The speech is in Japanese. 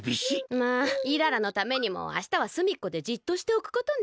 まあイララのためにもあしたはすみっこでじっとしておくことね。